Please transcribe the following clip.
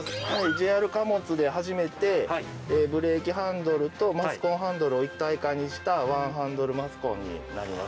ＪＲ貨物で初めてブレーキハンドルとマスコンハンドルを一体化にしたワンハンドルマスコンになります。